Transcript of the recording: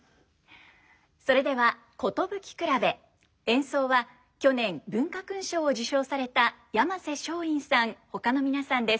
それでは「寿くらべ」演奏は去年文化勲章を受章された山勢松韻さんほかの皆さんです。